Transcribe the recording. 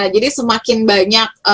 jadi semakin banyak